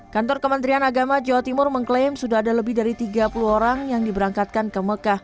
kantor kementerian agama jawa timur mengklaim sudah ada lebih dari tiga puluh orang yang diberangkatkan ke mekah